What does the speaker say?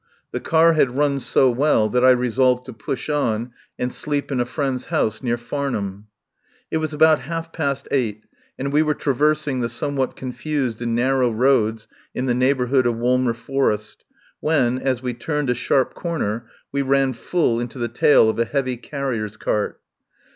The car had run so well that I resolved to push on and sleep in a friend's house near Farnham. It was about half past eight, and we were tra versing the somewhat confused and narrow roads in the neighbourhood of Wolmer For est, when, as we turned a sharp corner, we ran full into the tail of a heavy carrier's cart.